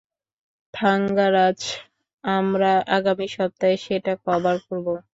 থাঙ্গারাজ, আমরা আগামী সপ্তাহে সেটা কভার করব।